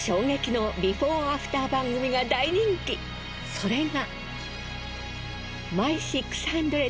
それが。